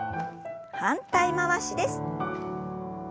反対回しです。